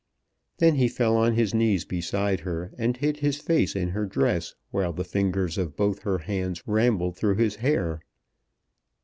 Then he fell on his knees beside her, and hid his face in her dress, while the fingers of both her hands rambled through his hair.